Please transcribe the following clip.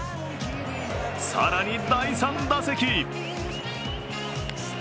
更に、第３打席。